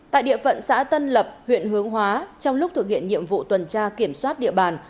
tại địa phận xã tân lập huyện hướng hóa trong lúc thực hiện nhiệm vụ tuần tra kiểm soát địa bàn